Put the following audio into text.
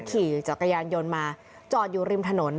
ขี่จักรยานยนต์มาจอดอยู่ริมถนน